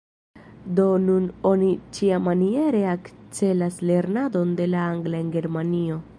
Do nun oni ĉiamaniere akcelas lernadon de la angla en Germanio.